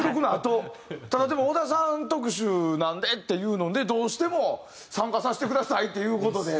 ただでも小田さん特集なんでっていうのでどうしても参加させてくださいっていう事で。